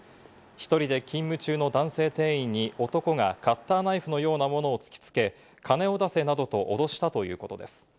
１人で勤務中の男性店員に男がカッターナイフのようなものを突きつけ、金を出せなどと脅したということです。